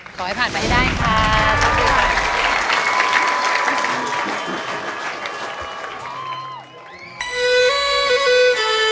ขอให้ผ่านไปให้ได้ค่ะขอบคุณค่ะ